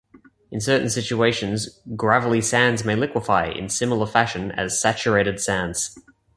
In certain situations gravelly sands may liquefy in similar fashion as saturated sands.